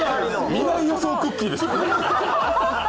未来予想クッキーでしたね。